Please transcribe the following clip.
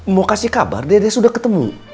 mau kasih kabar dia sudah ketemu